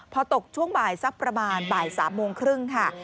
พอตกช่วงบ่ายสักประมาณบ่าย๓โมงครึ่งค่ะ